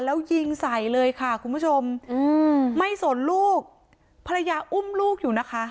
แล้วยิงใส่เลยค่ะคุณผู้ชมอืมไม่สนลูกภรรยาอุ้มลูกอยู่นะคะ